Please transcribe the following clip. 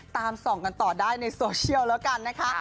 ตามส่องกันต่อได้ในโซเชียลแล้วกันนะคะ